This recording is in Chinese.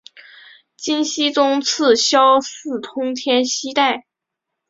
金熙宗赐萧肄通天犀带。